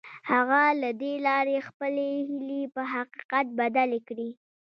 هغه له دې لارې خپلې هيلې په حقيقت بدلې کړې.